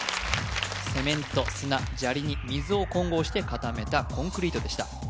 セメント砂砂利に水を混合して固めたコンクリートでした